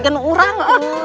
gak ada orang